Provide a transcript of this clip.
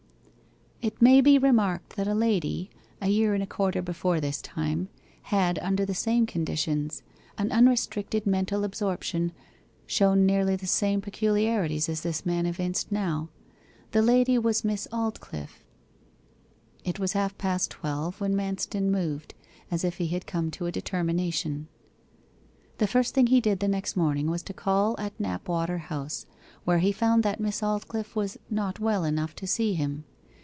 It may be remarked that a lady, a year and a quarter before this time, had, under the same conditions an unrestricted mental absorption shown nearly the same peculiarities as this man evinced now. The lady was Miss Aldclyffe. It was half past twelve when Manston moved, as if he had come to a determination. The first thing he did the next morning was to call at Knapwater House; where he found that Miss Aldclyffe was not well enough to see him.